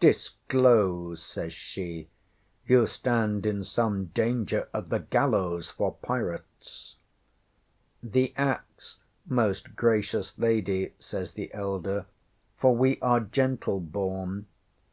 Disclose, ŌĆØ says she. ŌĆ£You stand in some danger of the gallows for pirates. ŌĆØ ŌĆśŌĆ£The axe, most gracious lady, ŌĆØ says the elder, ŌĆ£for we are gentle born.